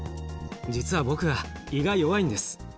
実は僕は胃が弱いんです。